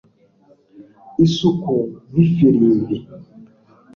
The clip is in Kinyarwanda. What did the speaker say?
isuku nk'ifirimbi